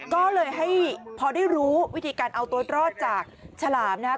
ก็เลยให้พอได้รู้วิธีการเอาตัวรอดจากฉลามนะครับ